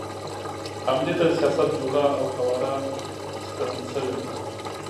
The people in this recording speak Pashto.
همدې ته د سیاست جوله او قواره سکڼل شوې ده.